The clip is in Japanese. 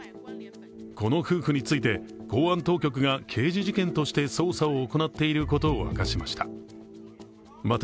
この夫婦について、公安当局が刑事事件として捜査を行っていることを明らかにしました。